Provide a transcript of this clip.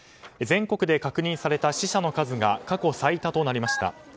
全国で確認された死者の数が過去最多となりました。